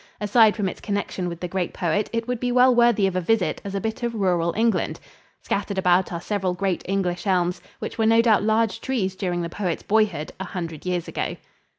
Aside from its connection with the great poet, it would be well worthy of a visit as a bit of rural England. Scattered about are several great English elms, which were no doubt large trees during the poet's boyhood, a hundred years ago.